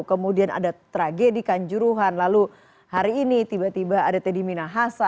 kemudian ada tragedi kanjuruhan lalu hari ini tiba tiba ada teddy minahasa